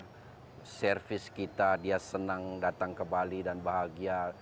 dan juga dengan servis kita dia senang datang ke bali dan bahagia